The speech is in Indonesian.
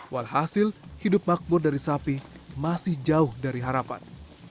walhasil hidup makmur dari sapi masih jauh dari harapan